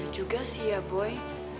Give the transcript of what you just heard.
bener juga sih ya boy